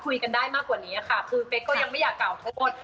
คุยกันได้มากกว่านี้ค่ะคือเป๊กก็ยังไม่อยากกล่าวโทษ